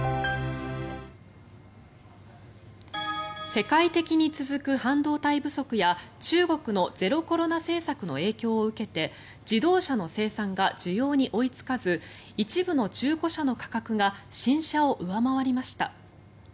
世界的に続く半導体不足や中国のゼロコロナ政策の影響を受けて自動車の生産が需要に追いつかず一部の中古車の価格が新車を上回りました。